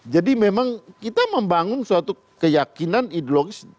jadi memang kita membangun suatu keyakinan ideologis